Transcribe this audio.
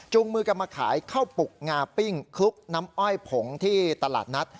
มือกันมาขายข้าวปุกงาปิ้งคลุกน้ำอ้อยผงที่ตลาดนัด